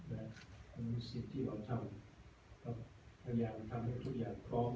และมันมีสิทธิ์ที่เราทำเราพยายามทำให้ทุกอย่างพร้อม